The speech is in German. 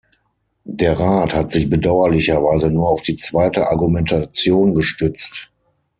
Der Rat hat sich bedauerlicherweise nur auf die zweite Argumentation gestützt.